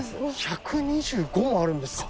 １２５もあるんですか。